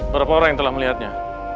berapa orang yang telah melihatnya